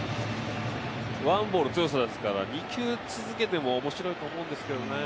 ワンボール・ツーストライクですから、２球続けても面白いと思うんですけどね。